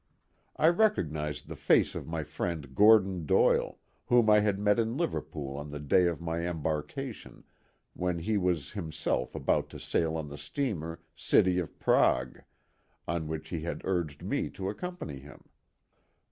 I recognized the face of my friend Gordon Doyle, whom I had met in Liverpool on the day of my embarkation, when he was himself about to sail on the steamer City of Prague, on which he had urged me to accompany him.